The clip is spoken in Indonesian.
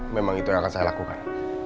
memang itu yang akan saya lakukan